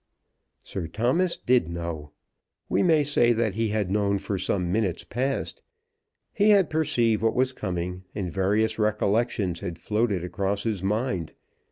Sir Thomas did know. We may say that he had known for some minutes past. He had perceived what was coming, and various recollections had floated across his mind.